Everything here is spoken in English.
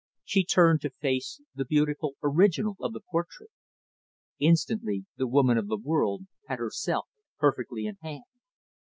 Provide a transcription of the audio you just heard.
She turned to face the beautiful original of the portrait Instantly the woman of the world had herself perfectly in hand.